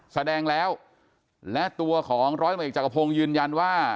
แสดงแล้วและตัวของร้อยตำรวจเอกจักรพงศ์ยืนยันว่า